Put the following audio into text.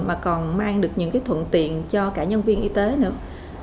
mà còn mang được những thuận tiền cho cả nhân viên y tế nữa